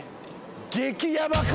激ヤバか？